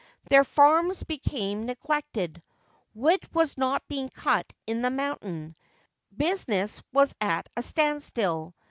Their farms became neglected ; wood was not being cut on the mountain ; business was at a stand still.